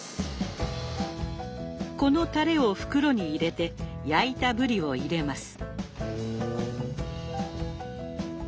このタレを袋に入れて焼いたブリを入れます。